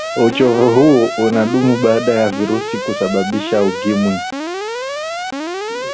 uchovu huu unadumu baada ya virusi kusababisha ukimwi